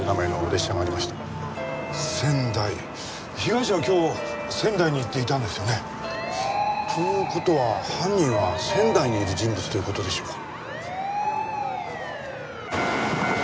被害者は今日仙台に行っていたんですよね？という事は犯人は仙台にいる人物という事でしょうか？